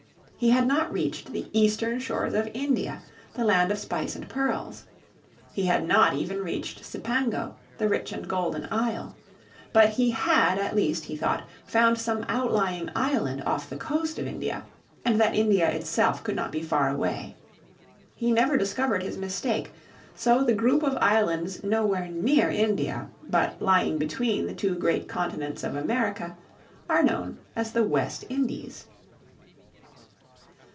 He had not reached the eastern shores of India, the land of spice and pearls. He had not even reached Cipango, the rich and golden isle. But he had at least, he thought, found some outlying island off the coast of India, and that India itself could not be far away. He never discovered his mistake, so the group of islands nowhere near India, but lying between the two great Continents of America, are known as the West Indies.